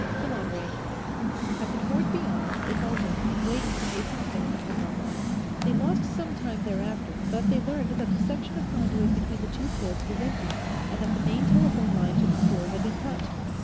Come on, Ray." At the port beyond, they halted, waiting for Mason's man to come up. They lost some time, thereafter, but they learned that the section of conduit between the two ports was empty and that the main telephone line to the store had been cut.